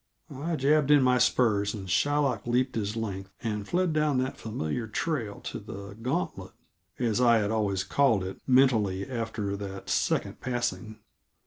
I jabbed in my spurs, and Shylock leaped his length and fled down that familiar trail to the "gantlet," as I had always called it mentally after that second passing.